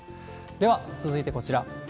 では、続いてこちら。